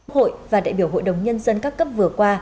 hội và đại biểu hội đồng nhân dân các cấp vừa qua